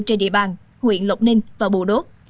trên địa bàn huyện lộc ninh và bùa đốt